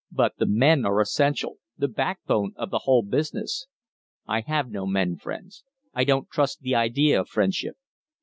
"But the men are essential the backbone of the whole business." "I have no men friends. I don't trust the idea of friendship."